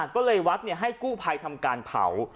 ก็เลยวัดให้กู้ภัยทำการเผา